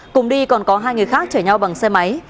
cùng đi còn có hai người khác chở nhau bằng xe máy